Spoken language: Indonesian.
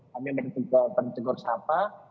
kami bertegur tegur siapa